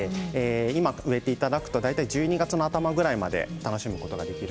今、植えていただくと大体１２月の頭くらいまで楽しむことができる。